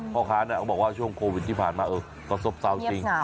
พ่อค้าเขาบอกว่าช่วงโควิดที่ผ่านมาก็ซบเศร้าจริง